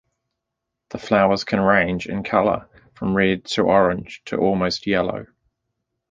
The flowers can range in color from red to orange to almost yellow.